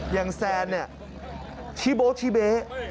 อย่างแซนนี่ชิบโบ๊ะชิเบ๊